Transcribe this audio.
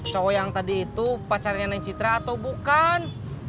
catsawang tadi itu pacarnya whatchamacallit cita atau bukan